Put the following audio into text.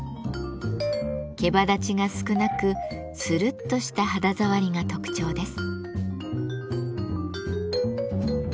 けばだちが少なくツルッとした肌触りが特徴です。